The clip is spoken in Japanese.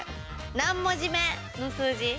何文字目の数字。